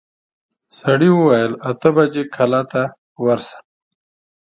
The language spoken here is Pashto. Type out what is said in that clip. سړي وويل اته بجې کلا ته ورسه.